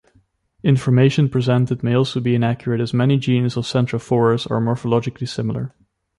Information presented may also be inaccurate as many genus of "Centrophorus" are morphologically similar.